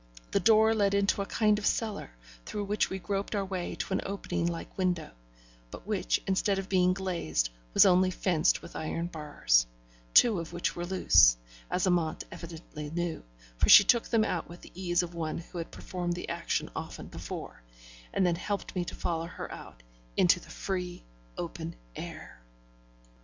The door led into a kind of cellar, through which we groped our way to an opening like window, but which, instead of being glazed, was only fenced with iron bars, two of which were loose, as Amante evidently knew, for she took them out with the ease of one who had performed the action often before, and then helped me to follow her out into the free, open air.